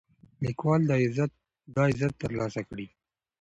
لیکوال دا عزت ترلاسه کړی.